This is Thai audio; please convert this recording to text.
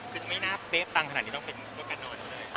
คือไม่น่าเบ๊บตังขนาดนี้ต้องเป็นโอกาสนอนก็ได้